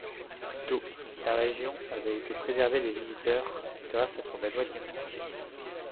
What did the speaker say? Plus tôt, la région avait été préservée des visiteurs grâce à son éloignement.